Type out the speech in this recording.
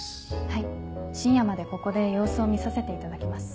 はい深夜までここで様子を見させていただきます。